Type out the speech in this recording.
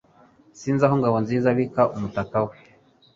Sinzi aho Ngabonziza abika umutaka we